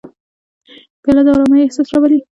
پیاله د ارامۍ احساس راولي.